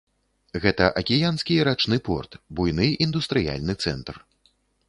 Гэта акіянскі і рачны порт, буйны індустрыяльны цэнтр.